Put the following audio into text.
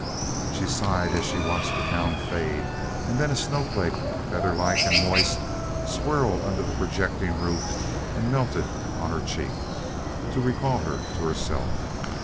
She sighed as she watched the town fade and then a snowflake, featherlike and moist, swirled under the projecting roof and melted on her cheek, to recall her to herself.